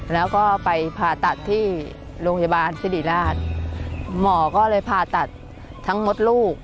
แล้วก็ไปผ่าตัดที่โรงพยาบาลสิริราชหมอก็เลยผ่าตัดทั้งหมดลูก